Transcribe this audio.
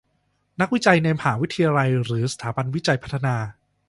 นักวิจัยในมหาวิทยาลัยหรือสถาบันวิจัยพัฒนา